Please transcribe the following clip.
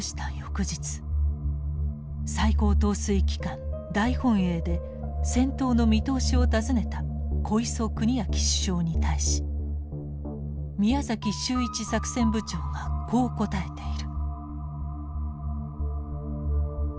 最高統帥機関大本営で戦闘の見通しを尋ねた小磯国昭首相に対し宮崎周一作戦部長がこう答えている。